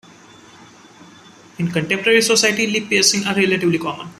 In contemporary society, lip piercings are relatively common.